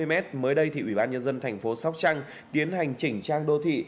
mới đây thì ủy ban nhân dân thành phố sóc trăng tiến hành chỉnh trang đô thị